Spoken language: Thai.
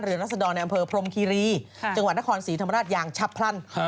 รัศดรในอำเภอพรมคีรีจังหวัดนครศรีธรรมราชอย่างฉับพลัน